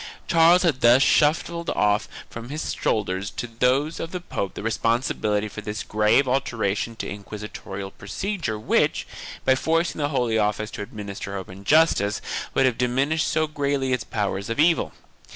2 Charles had thus shuffled off from his shoulders to those of the pope the responsibility for this grave alteration in inquisitorial procedure which, by forcing the Holy Office to administer open justice, would have diminished so greatly its powers of evil.